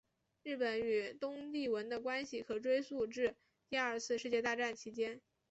日本与东帝汶的关系可追溯至第二次世界大战期间。